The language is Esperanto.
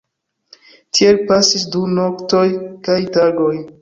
Tiel pasis du noktoj kaj tagoj.